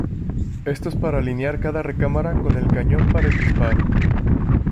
Esto es para alinear cada recámara con el cañón para el disparo.